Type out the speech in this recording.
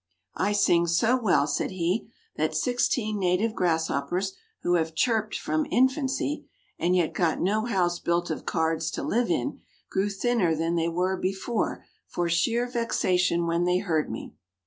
"I sing so well," said he, "that sixteen native grasshoppers who have chirped from infancy, and yet got no house built of cards to live in, grew thinner than they were before for sheer vexation when they heard me."